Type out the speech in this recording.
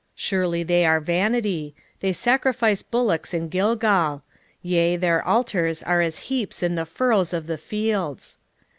surely they are vanity: they sacrifice bullocks in Gilgal; yea, their altars are as heaps in the furrows of the fields.